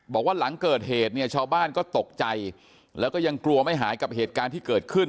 บอกว่าหลังเกิดเหตุเนี่ยชาวบ้านก็ตกใจแล้วก็ยังกลัวไม่หายกับเหตุการณ์ที่เกิดขึ้น